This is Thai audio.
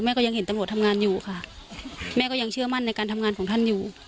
ก็ยังเห็นตำรวจทำงานอยู่ค่ะแม่ก็ยังเชื่อมั่นในการทำงานของท่านอยู่